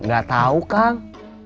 gak tau kang